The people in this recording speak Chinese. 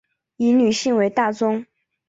以女性为大宗